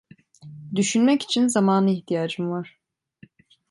Düşünmek için zamana ihtiyacım var.